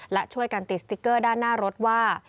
และช่วยกันติดสติ๊กเกอร์ด้านหน้ารถว่า